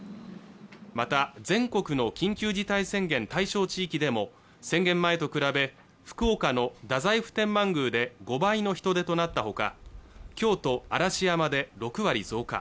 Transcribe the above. また全国の緊急事態宣言対象地域でも宣言前と比べ福岡の太宰府天満宮で５倍の人出となったほか京都・嵐山で６割増加